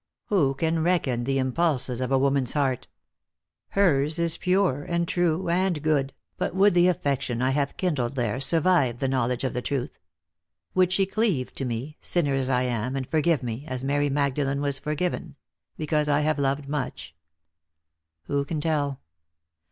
Who can reckon the impulses of a woman's heart ? Hers is pure and true and good, but would the affection I have kindled there survive the knowledge of the truth ? Would she cleave to me, sinner as I am, and forgive me, as Mary Magdalen was forgiven — because I have loved much P Who can tell